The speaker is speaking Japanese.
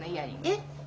えっ？